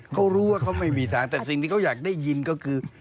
เขารู้ว่าเขาไม่มีทางแต่สิ่งที่เขาอยากได้ยินก็คือ